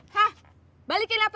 hah balikin laptop gue